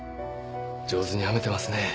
上手に編めてますね